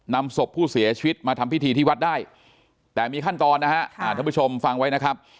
นำศพผู้เสียชีวิตมาทำพิธีที่วัดได้แต่มีขั้นตอนนะฮะท่านผู้ชมฟังไว้นะครับ